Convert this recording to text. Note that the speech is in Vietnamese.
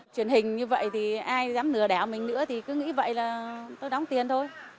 truyền hình như vậy thì ai dám lừa đảo mình nữa thì cứ nghĩ vậy là tôi đóng tiền thôi